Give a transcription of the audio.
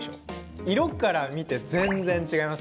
色から見て全然違います